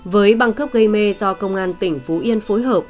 với băng cấp gây mê do công an tỉnh phú yên phối hợp